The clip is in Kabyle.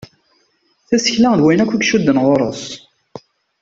Tasekla d wayen akk i icudden ɣur-s.